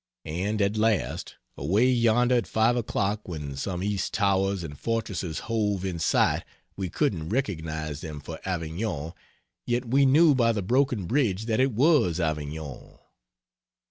And at last, away yonder at 5 o'clock when some east towers and fortresses hove in sight we couldn't recognize them for Avignon yet we knew by the broken bridge that it was Avignon.